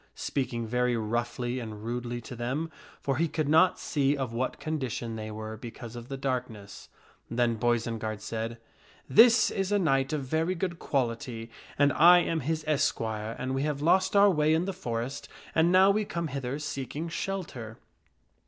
speaking very roughly and rudely to them, for he could not see of what condition they were because of the darkness. Then Boisenard said, " This is a knight of very good quality and I am his esquire, and we have lost our way in the forest and now we come hither seeking shelter."